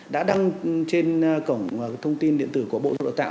đã đăng trên cổng thông tin điện tử của bộ giáo dục đạo tạo